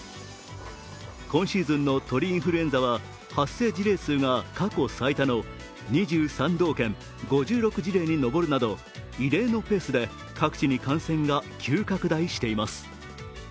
今シーズンの鳥インフルエンザは発生事例数が過去最多の２３道県、５６事例に上るなど異例のペースで各地に感染が急拡大しています。